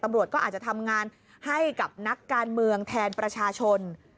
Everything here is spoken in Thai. ตำรวจก็อาจจะทำงานให้กับนักการเมืองแทนประชาชน